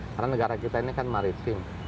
karena negara kita ini kan maritim